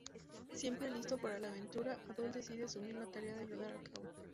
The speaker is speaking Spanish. Siempre listo para la aventura, Adol decide asumir la tarea de ayudar a cabo.